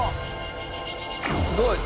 すごい！あ！